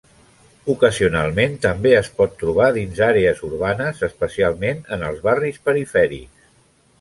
Ocasionalment també es pot trobar dins àrees urbanes, especialment en els barris perifèrics.